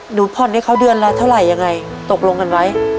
หนูผ่อนให้เขาเดือนละเท่าไหร่ยังไงตกลงกันไว้